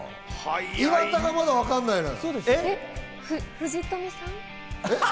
岩田がまだわかんないのよ。